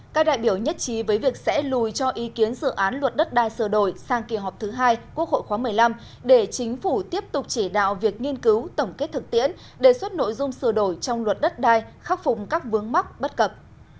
các đại biểu nhất trí với việc sẽ lùi cho ý kiến dự án luật đất đai sửa đổi sang kỳ họp thứ hai quốc hội khóa một mươi năm để chính phủ tiếp tục chỉ đạo việc nghiên cứu tổng kết thực tiễn đề xuất nội dung sửa đổi trong luật đất đai khắc phục các vướng mắc bất cập